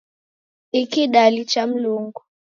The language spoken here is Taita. Ni kidali cha Mlungu.